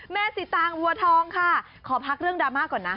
สีตางบัวทองค่ะขอพักเรื่องดราม่าก่อนนะ